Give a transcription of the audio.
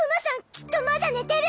きっとまだ寝てる！